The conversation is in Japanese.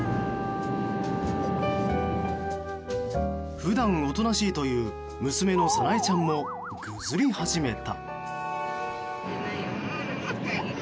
普段おとなしいという娘の早苗ちゃんもぐずり始めた。